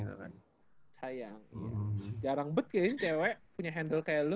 jarang banget kayaknya cewek punya handle kayak lu